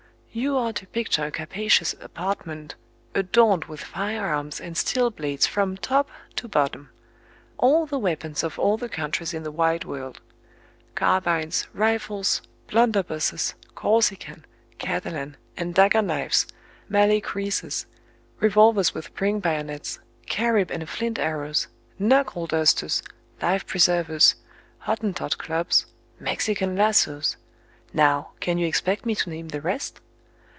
You are to picture a capacious apartment adorned with firearms and steel blades from top to bottom: all the weapons of all the countries in the wide world carbines, rifles, blunderbusses, Corsican, Catalan, and dagger knives, Malay kreeses, revolvers with spring bayonets, Carib and flint arrows, knuckle dusters, life preservers, Hottentot clubs, Mexican lassoes now, can you expect me to name the rest?